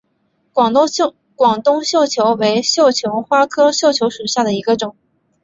广东绣球为绣球花科绣球属下的一个种。